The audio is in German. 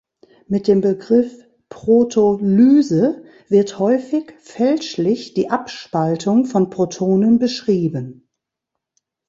Mit dem Begriff Proto"lyse" wird häufig fälschlich die Abspaltung von Protonen beschrieben.